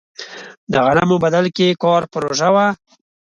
د غنمو بدل کې کار پروژه وه.